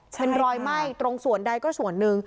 เป็นรอยไหม้ตรงส่วนใดก็ส่วนหนึ่ง